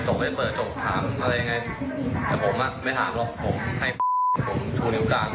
ก็จะเลี้ยวออกมีรถทั้งขู่ก่อนนี้นะครับ